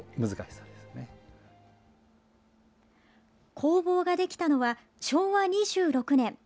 工房ができたのは昭和２６年。